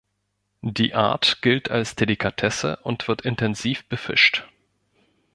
Die Art gilt als Delikatesse und wird intensiv befischt.